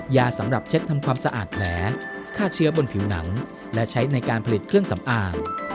ยาสำหรับเช็ดทำความสะอาดแผลฆ่าเชื้อบนผิวหนังและใช้ในการผลิตเครื่องสำอาง